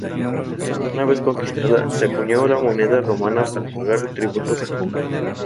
Una vez conquistada, se acuñó la moneda romana para pagar tributos a Roma.